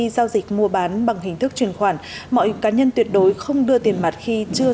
giao dịch mua bán bằng hình thức chuyển khoản mọi cá nhân tuyệt đối không đưa tiền mặt khi chưa